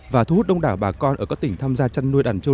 và thu hút đông đảo bà con ở các tỉnh tham gia chăn nuôi đàn trâ